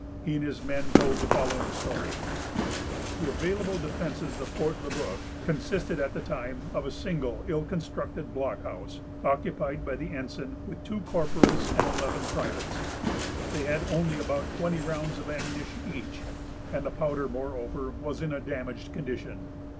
He and his men told the following story:—— The available defences of Fort Le Bœuf consisted, at the time, of a single ill constructed blockhouse, occupied by the ensign, with two corporals and eleven privates. They had only about twenty rounds of ammunition each; and the powder, moreover, was in a damaged condition.